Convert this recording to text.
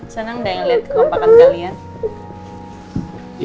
senang deh ngeliat kekompakan kalian